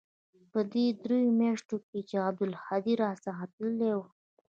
په دې درېو مياشتو کښې چې عبدالهادي را څخه تللى و.